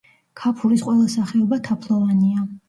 ქაფურის ყველა სახეობა თაფლოვანია.